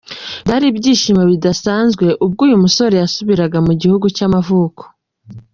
Byari ibyishimo bidasanzwe ubwo uyu musore yasubiraga mugihugu cy’amavuko.